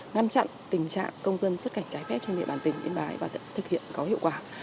ngăn chặn tình trạng công dân xuất cảnh trái phép trên địa bàn tỉnh yên bái và thực hiện có hiệu quả